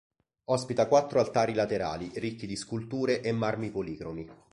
Ospita quattro altari laterali, ricchi di sculture e marmi policromi.